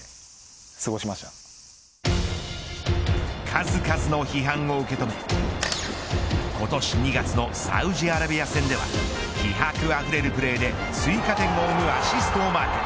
数々の批判を受け止め今年２月のサウジアラビア戦では気迫あふれるプレーで追加点を生むアシストをマーク。